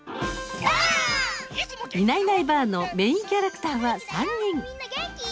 「いないいないばあっ！」のメインキャラクターは３人。